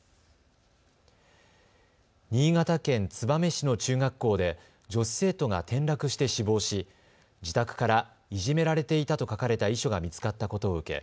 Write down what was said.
新潟県燕市の中学校で女子生徒が転落して死亡し自宅から、いじめられていたと書かれた遺書が見つかったことを受け